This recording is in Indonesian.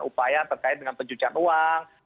upaya terkait dengan pencucian uang